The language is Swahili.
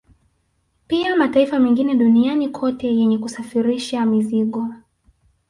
Pia mataifa mengine duniani kote yenye kusafirisha mizigo